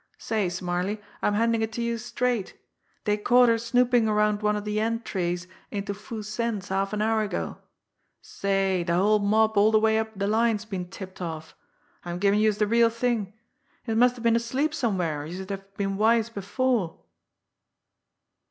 Say, Smarly, I'm handin' it to youse straight. Dey caught her snoopin' around one of de en trays into Foo Sen's half an hour ago. Say, de whole mob all de way up de line's been tipped off. I'm givin' youse de real thing. Youse must have been asleep somewhere, or youse'd have been wise before."